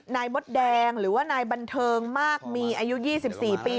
มดแดงหรือว่านายบันเทิงมากมีอายุ๒๔ปี